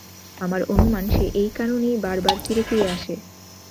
আমার অনুমান, সে এই কারণেই বারবার ফিরে ফিরে আসে।